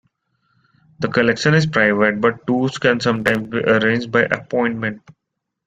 The collection is private, but tours can sometimes be arranged by appointment.